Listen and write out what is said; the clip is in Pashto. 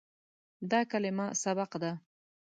دا کلمه "سبق" ده.